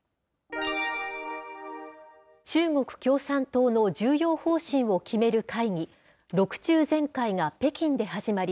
中国共産党の重要方針を決める会議、６中全会が北京で始まり、